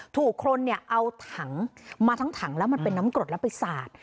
ถูกคนเนี่ยเอาถังมาทั้งถังแล้วมันเป็นน้ำกรดแล้วไปสาด